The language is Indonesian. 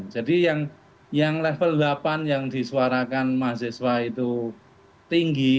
jadi yang level delapan yang disuarakan mahasiswa itu tinggi